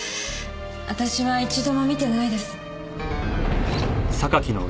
私は一度も見てないです。